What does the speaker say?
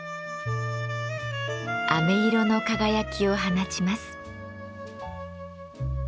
飴色の輝きを放ちます。